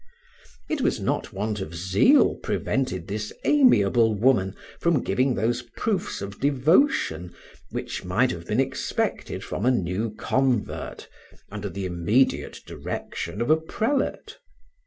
It was not want of zeal prevented this amiable woman from giving those proofs of devotion which might have been expected from a new convert, under the immediate direction of a prelate.